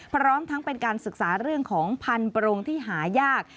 พร้อมทั้งเป็นการศึกษาเรื่องของพันธโปรงที่หายาก